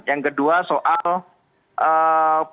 yang kedua soal eee percepatan